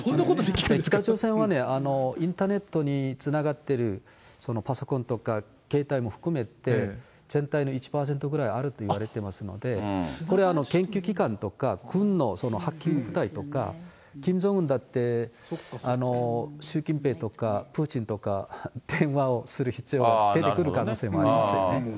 北朝鮮はインターネットにつながってる、パソコンとか携帯も含めて、全体の１％ぐらいあるといわれてますので、これ、研究機関とか、軍のハッキング部隊とか、キム・ジョンウンだって、習近平とか、プーチンとか、電話をする必要が出てくる可能性もありますよね。